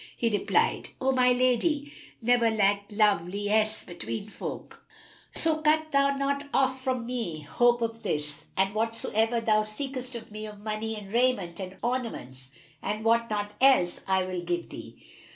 He replied, "O my lady, never lacked love liesse between folk[FN#319]; so cut thou not off from me hope of this and whatsoever thou seekest of me of money and raiment and ornaments and what not else, I will give thee."